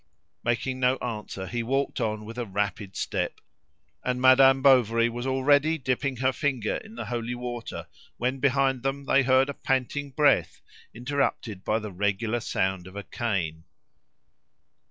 Making no answer, he walked on with a rapid step; and Madame Bovary was already, dipping her finger in the holy water when behind them they heard a panting breath interrupted by the regular sound of a cane.